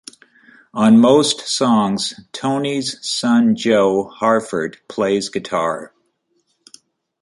On most songs, Tony's son Joe Harford plays guitar.